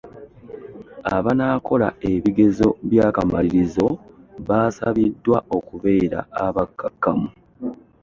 Abanaakola ebigezo by'akamalirizo baasabiddwa okubeera abakkakkamu.